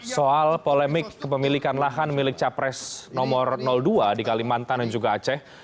soal polemik kepemilikan lahan milik capres nomor dua di kalimantan dan juga aceh